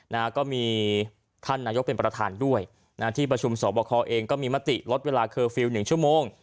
นะฮะก็มีท่านนายกเป็นประธานด้วยนะฮะที่ประชุมสอบคอเองก็มีมติลดเวลาเคอร์ฟิลล์หนึ่งชั่วโมง